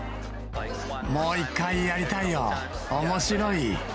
もう一回やりたいよ、おもしろい。